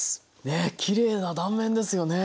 ねえきれいな断面ですよね。